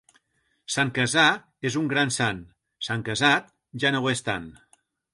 Sant Casar és un gran sant, sant Casat ja no ho és tant.